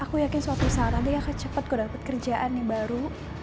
aku yakin suatu saat nanti akan cepat kok dapat kerjaan nih baru